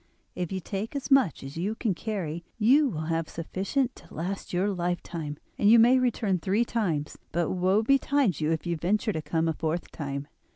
If you take as much as you can carry you will have sufficient to last your lifetime, and you may return three times; but woe betide you if you venture to come a fourth time.